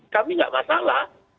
kami tidak masalah